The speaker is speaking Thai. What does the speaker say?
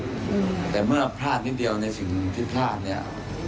อืมแต่เมื่อพลาดนิดเดียวในสิ่งที่พลาดเนี้ย